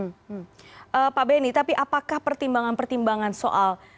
bapak beni tapi apakah pertimbangan pertimbangan soal